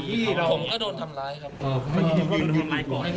เดี๋ยวค่อยบอกได้ไหมครับ